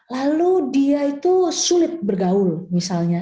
lalu dia itu sulit bergaul misalnya